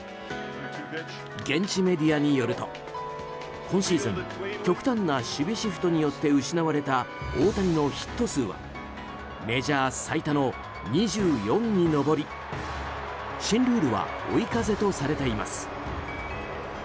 現地メディアによると今シーズン極端な守備シフトによって失われた大谷のヒット数はメジャー最多の２４に上り新ルールは追い風とされています。